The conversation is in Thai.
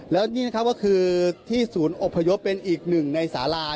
แล้วนี่นะครับก็คือที่ศูนย์อบพยพเป็นอีกหนึ่งในสารา